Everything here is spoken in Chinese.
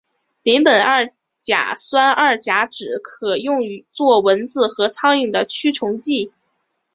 邻苯二甲酸二甲酯可用作蚊子和苍蝇的驱虫剂。